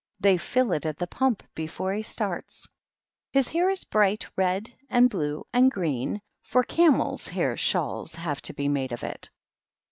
They fill it at the pump before he starts. His hair is bright red and blue and green; for CameM hair shawls have to be made of it.